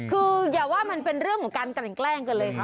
คืออย่าว่ามันเป็นเรื่องของการกลั่นแกล้งกันเลยค่ะ